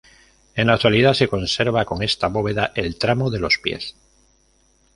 En la actualidad se conserva con esta bóveda el tramo de los pies.